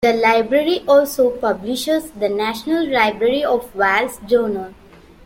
The Library also publishes the "National Library of Wales Journal".